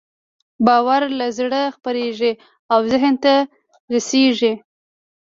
باور له زړه خپرېږي او ذهن ته رسېږي.